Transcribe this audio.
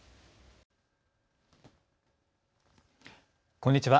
こんにちは。